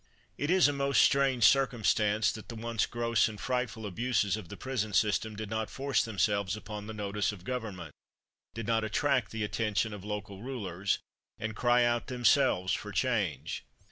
It is a most strange circumstance that the once gross and frightful abuses of the prison system did not force themselves upon the notice of government did not attract the attention of local rulers, and cry out themselves for change.